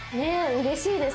うれしいです